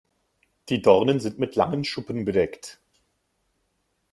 Die Dornen sind mit langen Schuppen bedeckt.